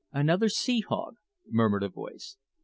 "Another sea hog," murmured a voice.